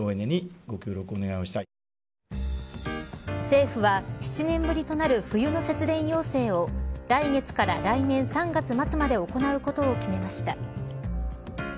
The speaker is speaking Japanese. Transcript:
政府は７年ぶりとなる冬の節電要請を来月から来年３月末まで行うことを決めました。